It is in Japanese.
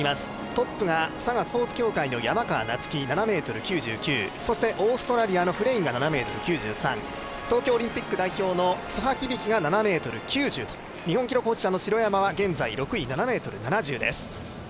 トップが山川夏輝７ｍ９９、７ｍ９９、そしてオーストラリアのフレインが７ｍ９３、東京オリンピック代表の津波響樹が７ｍ９０と日本記録保持者の城山は現在７ｍ７０です。